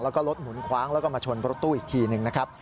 แล้วก็รถหมุนคว้างแล้วก็มาชนรถตู้อีกทีหนึ่งนะครับ